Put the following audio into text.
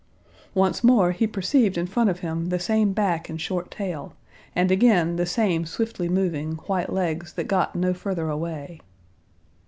Once more he perceived in front of him the same back and short tail, and again the same swiftly moving white legs that got no further away.